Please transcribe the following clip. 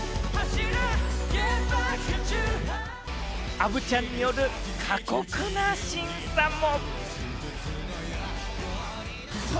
アヴちゃんによる過酷な審査も。